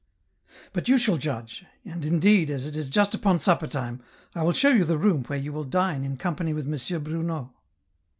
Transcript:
" But you shall judge, and, indeed, as it is just upon supper time, I will show you the room where you will dine in company with M. Bruno."